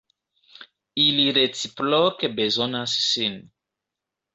Ili reciproke bezonas sin.